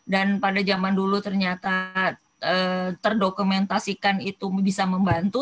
dan pada zaman dulu ternyata terdokumentasikan itu bisa membantu